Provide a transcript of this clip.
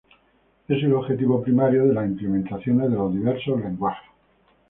Es el objetivo primario de las implementaciones de los diversos lenguajes.